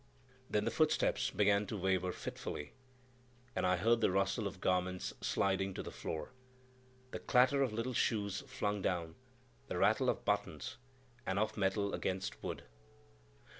Then the footsteps began to waver fitfully, and I heard the rustle of garments sliding to the floor, the clatter of little shoes flung down, the rattle of buttons, and of metal against wood.